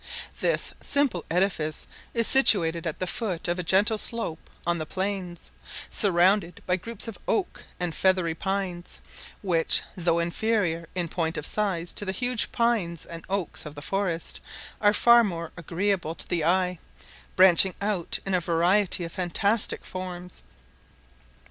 This simple edifice is situated at the foot of a gentle slope on the plains, surrounded by groups of oak and feathery pines, which, though inferior in point of size to the huge pines and oaks of the forest, are far more agreeable to the eye, branching out in a variety of fantastic forms.